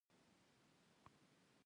د غلو دانې په وږو کې وي.